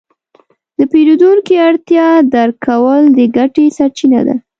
د پیرودونکي اړتیا درک کول د ګټې سرچینه ده.